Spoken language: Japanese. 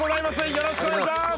よろしくお願いします！